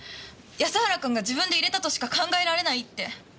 安原君が自分で入れたとしか考えられないって。